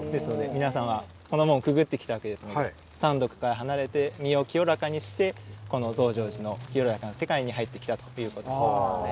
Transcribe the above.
皆さんはこの門をくぐってきたわけですので三毒から離れて身を清らかにしてこの増上寺の清らかな世界に入ってきたということですね。